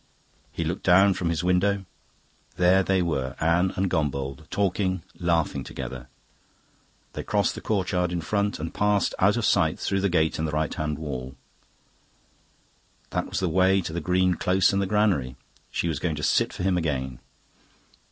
He looked down from his window; there they were, Anne and Gombauld, talking, laughing together. They crossed the courtyard in front, and passed out of sight through the gate in the right hand wall. That was the way to the green close and the granary; she was going to sit for him again.